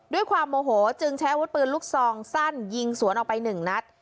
ด้วยความโมโหจึงใช้อาวุธปืนลูกซองสั้นยิงสวนออกไปหนึ่งนัด